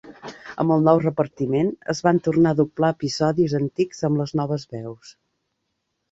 Amb el nou repartiment, es van tornar a doblar episodis antics amb les noves veus.